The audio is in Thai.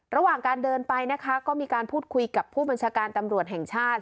ระหว่างการเดินไปนะคะก็มีการพูดคุยกับผู้บัญชาการตำรวจแห่งชาติ